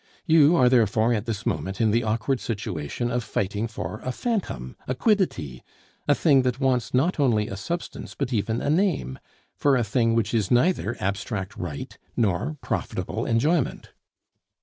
You are therefore at this moment in the awkward situation of fighting for a phantom, a quiddity, a thing that wants not only a substance, but even a name; for a thing which is neither abstract right nor profitable enjoyment.